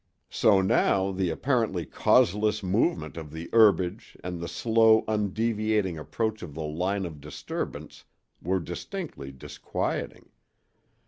So now the apparently causeless movement of the herbage and the slow, undeviating approach of the line of disturbance were distinctly disquieting.